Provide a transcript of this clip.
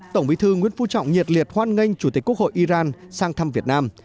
tổng bí thư nguyễn phú trọng nhiệt liệt hoan nghênh chủ tịch quốc hội iran sang thăm việt nam